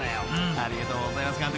［ありがとうございます監督。